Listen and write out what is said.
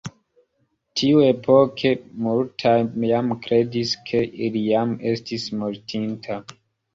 Tiuepoke, multaj jam kredis ke li jam estis mortinta.